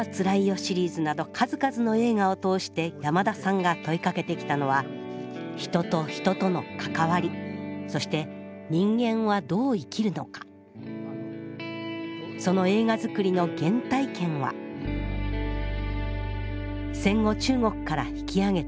シリーズなど数々の映画を通して山田さんが問いかけてきたのは人と人との関わりそしてその映画づくりの原体験は戦後中国から引き揚げた